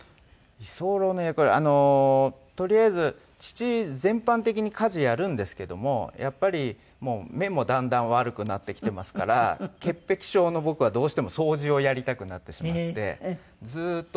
とりあえず父全般的に家事やるんですけどもやっぱり目もだんだん悪くなってきてますから潔癖性の僕はどうしても掃除をやりたくなってしまってずっと。